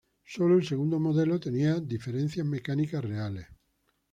Sólo el segundo modelo tenía diferencias mecánicas reales.